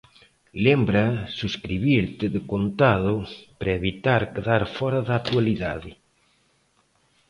Lembra subscribirte de contado para evitar quedar fóra da actualidade!